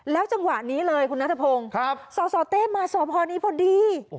จังหวะนี้เลยคุณนัทพงศ์สสเต้มาสอบพอนี้พอดี